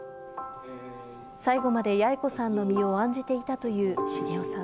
最後まで八重子さんの身を案じていたという繁雄さん。